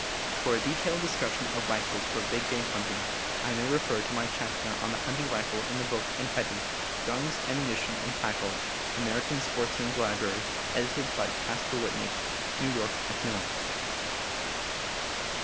* ♦For a detailed discussion of rifles for big game hunting I may refer to my chapter on The Hunting Rifle in the book entitled Guns, Ammunition, and Tackle (American Sportsman's Library; edited by Caspar Whitney. New York, Macmillan).